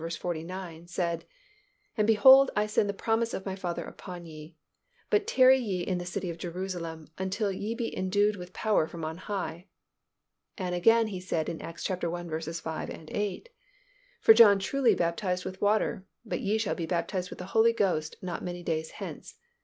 49 said, "And behold I send the promise of My Father upon you: but tarry ye in the city of Jerusalem, until ye be endued with power from on high." And again He said in Acts i. 5, 8, "For John truly baptized with water; but ye shall be baptized with the Holy Ghost not many days hence....